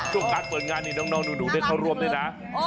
การเปิดงานนี่น้องหนูได้เข้าร่วมด้วยนะ